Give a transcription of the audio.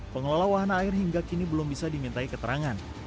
pengelola wahana air hingga kini belum bisa dimintai keterangan